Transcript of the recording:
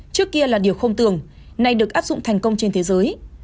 trước kia là điều không tường nay được áp dụng thành công trên thế giới